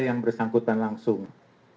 sehingga kita bisa melakukan hal yang lebih berbahaya